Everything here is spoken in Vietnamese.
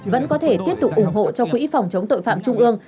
vẫn có thể tiếp tục ủng hộ cho quỹ phòng chống tội phạm trung ương